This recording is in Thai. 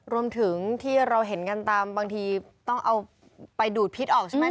รวมถึงที่เราเห็นกันตามบางทีต้องเอาไปดูดพิษออกใช่ไหม